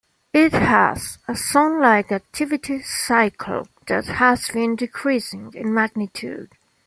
It has a Sun-like activity cycle that has been decreasing in magnitude.